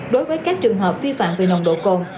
đối với các trường hợp vi phạm về nồng độ cồn